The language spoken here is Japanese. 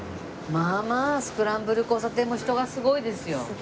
まあまあスクランブル交差点も人がすごいですよ。